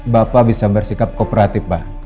bapak bisa bersikap kooperatif pak